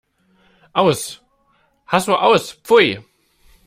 Aus! Hasso Aus! Pfui!